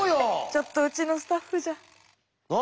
ちょっとうちのスタッフじゃ。